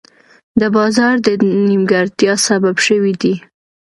د بازار د نیمګړتیا سبب شوي دي.